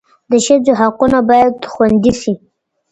د ښځو حقونه باید خوندي سي.